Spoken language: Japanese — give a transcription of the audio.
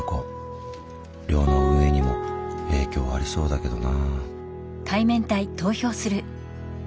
寮の運営にも影響ありそうだけどな。